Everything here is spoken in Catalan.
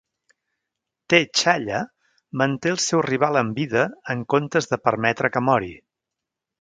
T'Challa manté el seu rival amb vida en comptes de permetre que mori.